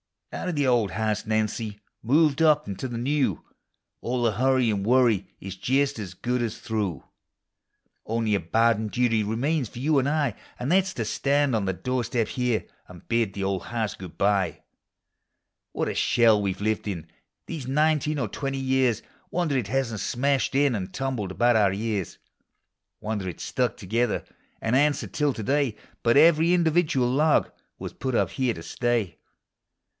Oi'T of the old house, Nancy — moved up into the new ; All the hurry and worry is just as good as through. Digitized by Google THE HOME. 269 Only a bounden duty remains for you and I — And that 's to stand on tin' doorstep here, and hid the old house good bye. What a shell we've lived in, these nineteen or twenty years ! Wonder it hadn't smashed in, and tumbled about our ears; Wonder it 's stuek together, and answered till to day ; Hut every individual loj; was put up here to stay.